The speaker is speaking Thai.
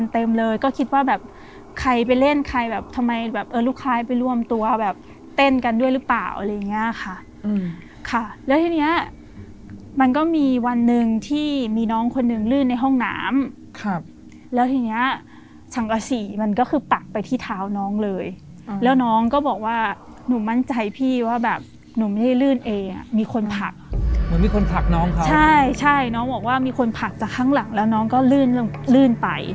เต้นกันด้วยหรือเปล่าอะไรอย่างเงี้ยค่ะอืมค่ะแล้วทีเนี้ยมันก็มีวันหนึ่งที่มีน้องคนนึงลื่นในห้องน้ำครับแล้วทีเนี้ยชังอสีมันก็คือปักไปที่เท้าน้องเลยอืมแล้วน้องก็บอกว่าหนูมั่นใจพี่ว่าแบบหนูไม่ได้ลื่นเองอะมีคนผักเหมือนมีคนผักน้องเขาใช่ใช่น้องบอกว่ามีคนผักจากข้างหลังแล้วน้องก็ลื่